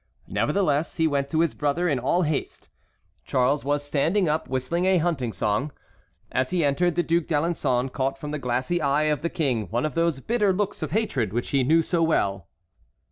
Nevertheless, he went to his brother in all haste. Charles was standing up, whistling a hunting song. As he entered, the Duc d'Alençon caught from the glassy eye of the King one of those bitter looks of hatred which he knew so well.